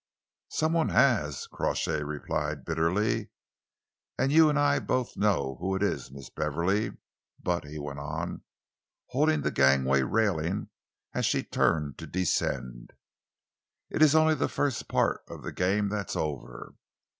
"Some one has," Crawshay replied bitterly, "and you and I both know who it is, Miss Beverley. But," he went on, holding the gangway railing as she turned to descend, "it's only the first part of the game that's over.